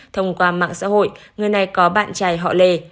thông qua mạng xã hội người này có bạn trai họ lê